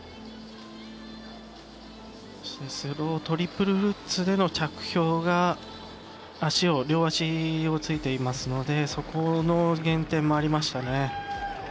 スロートリプルルッツでの着氷が、両足をついていますのでそこの減点もありましたね。